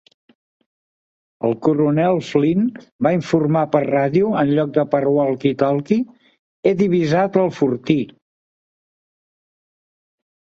El Coronel Flint va informar per ràdio en lloc de per walkie-talkie: "He divisat el fortí".